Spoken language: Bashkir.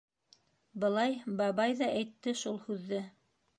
Былай бабай ҙа әйтте шул һүҙҙе...